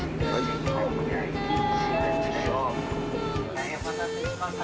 大変お待たせしました。